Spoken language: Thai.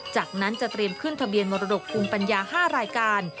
จากนั้นจะเตรียมขึ้นทะเบียนมรดกภูมิปัญญา๕รายการ